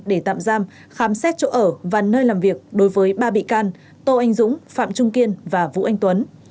để tạm giam khám xét chỗ ở và nơi làm việc đối với ba bị can tô anh dũng phạm trung kiên và vũ anh tuấn